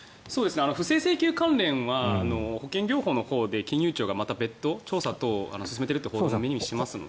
不正請求関連は保険業法のほうで金融庁が別途調査を進めているということを耳にしていますので。